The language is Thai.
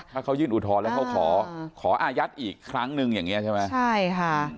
ถ้าเขายื่นอุทธรณ์แล้วเขาขอขออายัดอีกครั้งหนึ่งอย่างเงี้ใช่ไหมใช่ค่ะ